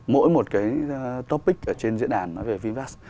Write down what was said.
mỗi một cái topic ở trên diễn đàn nói về vivas